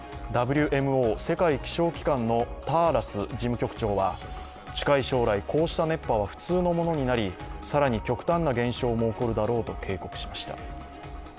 ＷＭＯ＝世界気象機関のターラス事務局長は近い将来、こうした熱波は普通のものになり、更に極端な現象も起こるだろうと警告しました。